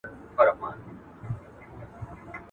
چي طلب ئې کوې، پر پېښ به سې.